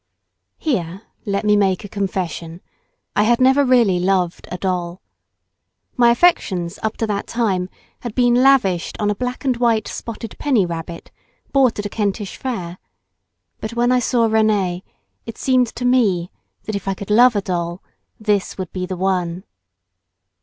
Here let me make a confession, I had never really loved a doll. My affections up to that time had been lavished on a black and white spotted penny rabbit, bought at a Kentish fair; but when I saw Rénee, it seemed to me that if I could love a doll, this would be the one.